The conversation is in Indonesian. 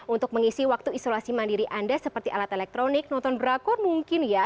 untuk mengisi waktu isolasi mandiri anda seperti alat elektronik nonton drakor mungkin ya